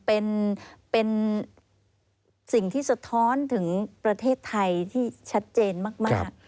เป็นสิ่งที่สะท้อนถึงประเทศไทยที่ชัดเจนมาก